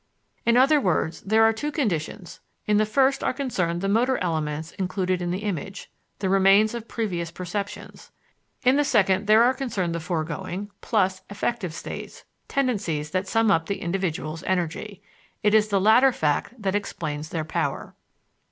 In other words, there are two conditions: In the first are concerned the motor elements included in the image, the remains of previous perceptions; in the second, there are concerned the foregoing, plus affective states, tendencies that sum up the individual's energy. It is the latter fact that explains their power.